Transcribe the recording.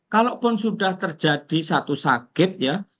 kalaupun sudah terjadi satu sakit ya